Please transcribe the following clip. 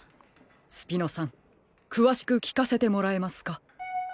スピノさんくわしくきかせてもらえますか？